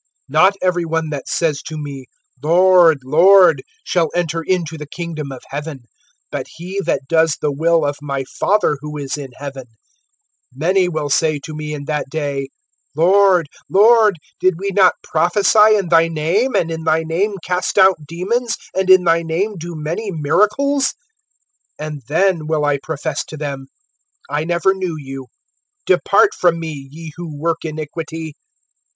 (21)Not every one that says to me, Lord, Lord, shall enter into the kingdom of heaven; but he that does the will of my Father who is in heaven. (22)Many will say to me in that day: Lord, Lord, did we not prophesy in thy name, and in thy name cast out demons, and in thy name do many miracles? (23)And then will I profess to them, I never knew you; depart from me, ye who work iniquity.